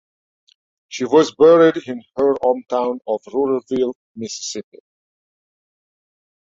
She was buried in her hometown of Ruleville, Mississippi.